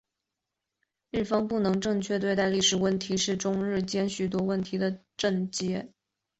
日方不能正确对待历史问题是中日间很多问题的症结。